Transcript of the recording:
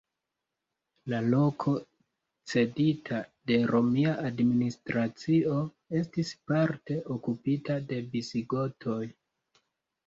La loko cedita de romia administracio estis parte okupita de Visigotoj.